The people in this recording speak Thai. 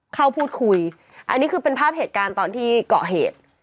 เข้าพูดคุยอันนี้คือเป็นภาพเหตุการณ์ตอนที่เกาะเหตุ